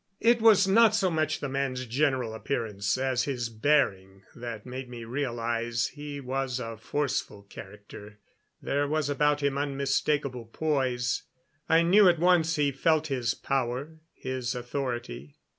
It was not so much the man's general appearance as his bearing that made me realize he was a forceful character. There was about him unmistakable poise. I knew at once he felt his power, his authority.